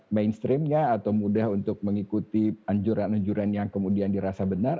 mainstreamnya atau mudah untuk mengikuti anjuran anjuran yang kemudian dirasa benar